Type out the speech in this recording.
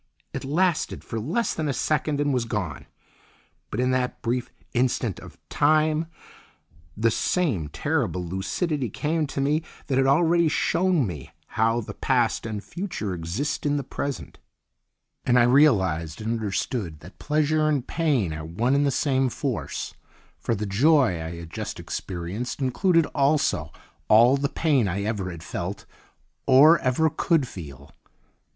It lasted for less than a second, and was gone; but in that brief instant of time the same terrible lucidity came to me that had already shown me how the past and future exist in the present, and I realised and understood that pleasure and pain are one and the same force, for the joy I had just experienced included also all the pain I ever had felt, or ever could feel.